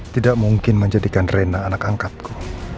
tidak mungkin menjadikan reina anak angkatku